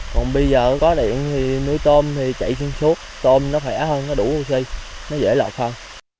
còn bây giờ có điện thì nuôi tôm thì chạy xuyên suốt tôm nó khỏe hơn nó đủ oxy nó dễ lợi hơn